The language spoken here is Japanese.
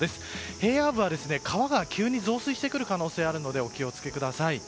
平野部は川が急に増水してくる可能性があるのでお気を付け下さい。